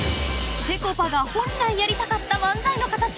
［ぺこぱが本来やりたかった漫才の形］